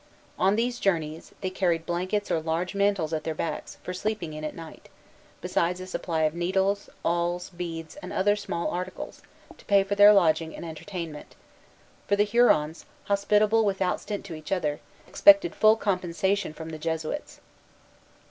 On these journeys, they carried blankets or large mantles at their backs, for sleeping in at night, besides a supply of needles, awls, beads, and other small articles, to pay for their lodging and entertainment: for the Hurons, hospitable without stint to each other, expected full compensation from the Jesuits.